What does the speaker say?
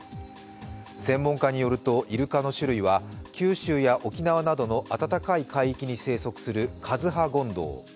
専門家によると、イルカの種類は九州や沖縄などの暖かい海域に生息するカズハゴンドウ。